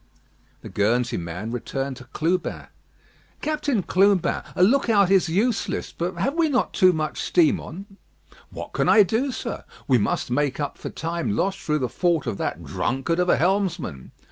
The Guernsey man returned to Clubin. "Captain Clubin, a look out is useless; but have we not too much steam on?" "What can I do, sir? We must make up for time lost through the fault of that drunkard of a helmsman."